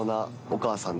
お母さん。